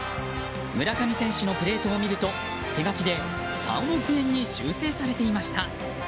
村上選手のプレートを見ると手書きで３億円に修正されていました。